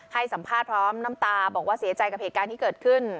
ให้สัมภาษณ์พร้อมน้ำตาบอกว่าเสียใจกับเหตุการณ์ที่เกิดขึ้น